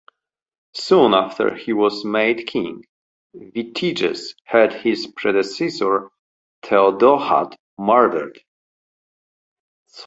Soon after he was made king, Vitiges had his predecessor Theodahad murdered.